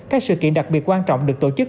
các sự kiện đặc biệt quan trọng được tổ chức